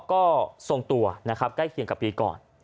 ก็ทรงตัวนะครับใกล้เคียงกับปีก่อน